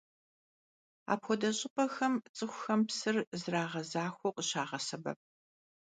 Apxuede ş'ıp'exem ts'ıxuxem psır zrağezaxueu khışağesebep.